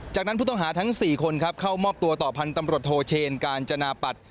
จากนั้นผู้ต้องหาทั้ง๔คนครับเข้ามอบตัวต่อพันธ์ตำรวจโทเชนกาญจนาปัตย์